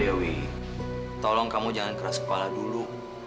dewi tolong kamu jangan keras kepala dulu